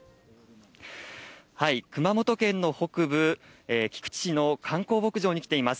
熊本県の北部、菊池市の観光牧場に来ています。